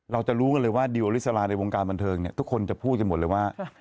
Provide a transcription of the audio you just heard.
เราจะรู้กันเลยว่าดิวอลิสราในวงการบันเทิงเนี่ยทุกคนจะพูดกันหมดเลยว่า